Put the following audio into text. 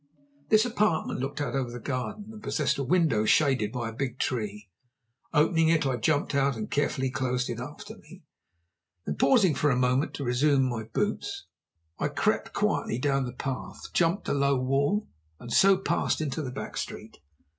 This apartment looked out over the garden, and possessed a window shaded by a big tree. Opening it, I jumped out and carefully closed it after me. Then, pausing for a moment to resume my boots, I crept quietly down the path, jumped a low wall, and so passed into the back street.